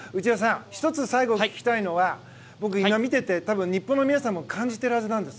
１つ、最後に聞きたいのは僕、今見てて、日本の皆さんも感じているはずです。